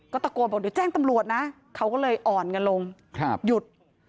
ตะโกนบอกเดี๋ยวแจ้งตำรวจนะเขาก็เลยอ่อนกันลงหยุด